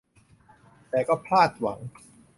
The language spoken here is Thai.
แต่ก็พลาดหวัง